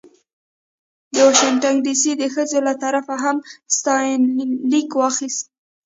د واشنګټن ډې سي د ښځو له طرفه هم ستاینلیک واخیست.